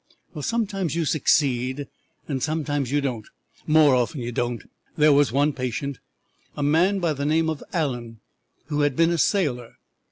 Well, sometimes you succeed, and sometimes you don't; more often you don't. There was one patient, a man by the name of Allen, who had been a sailor.